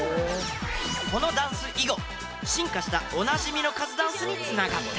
このダンス以後進化したおなじみのカズダンスに繋がった。